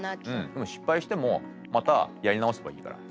でも失敗してもまたやり直せばいいから。